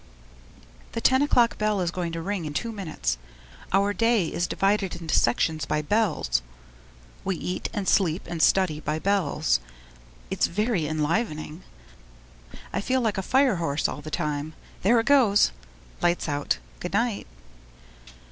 The ten o'clock bell is going to ring in two minutes. Our day is divided into sections by bells. We eat and sleep and study by bells. It's very enlivening; I feel like a fire horse all of the time. There it goes! Lights out. Good night.